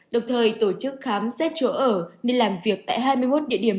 đồng thời tổ chức khám xét chỗ ở nơi làm việc tại hai mươi một địa điểm